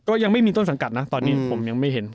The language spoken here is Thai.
ยังไม่มีต้นสังกัดนะตอนนี้ผมยังไม่เห็น